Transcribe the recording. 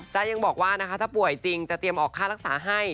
ยังบอกว่านะคะถ้าป่วยจริงจะเตรียมออกค่ารักษาให้